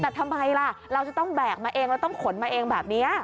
แต่ทำไมล่ะเราจะต้องแบกมาเองเราต้องขนมาเองแบบนี้